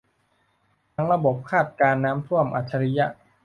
ทั้งระบบคาดการณ์น้ำท่วมอัจฉริยะ